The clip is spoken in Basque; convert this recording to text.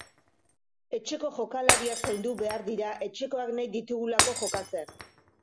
Etxeko jokalariak zaindu behar dira etxekoak nahi ditugulako jokatzen.